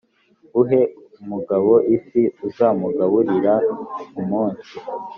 uhe umugabo ifi uzamugaburira umunsi